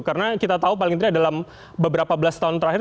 karena kita tahu paling tidak dalam beberapa belas tahun terakhir